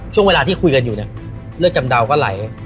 ช่วงเวลาที่คุยกันอยู่เนี่ยเลือดกำเดาก็ไหล